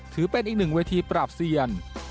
ถือเป็นอีกหนึ่งเวทีปราบเซียน